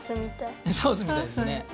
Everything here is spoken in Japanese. ソースみたいですね。